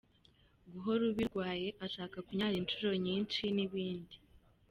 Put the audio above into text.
Guhora ubirwaye ashaka kunyara inshuro nyinshi n’ibindi.